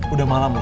udah malam loh